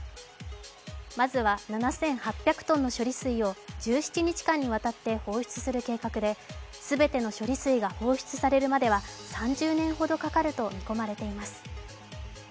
まずは７８００ｔの処理水を１７日間にわたって放出する計画で全ての処理水が放出されるまでは３０年ほどかかると見込まれています。